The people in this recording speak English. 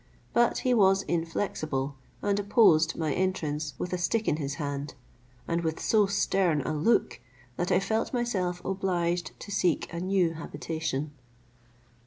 But he was inflexible, and opposed my entrance with a stick in his hand, and with so stern a look, that I felt myself obliged to seek a new habitation.